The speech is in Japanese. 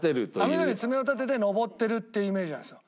網戸に爪を立てて登ってるっていうイメージなんですよ。